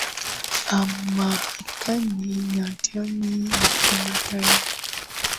aa marekani na jamii ya kimataifa